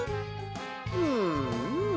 うんうん。